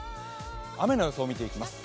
雨の予想を見ていきます。